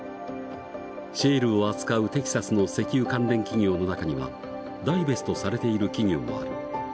シェールを扱うテキサスの石油関連企業の中にはダイベストされている企業もある。